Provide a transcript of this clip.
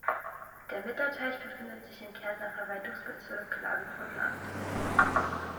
Der Mitterteich befindet sich im Kärntner Verwaltungsbezirk Klagenfurt-Land.